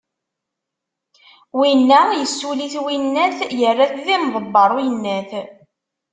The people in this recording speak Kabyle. Winna yessuli-t winnat, yerra-t d imeḍbeṛ uyennat.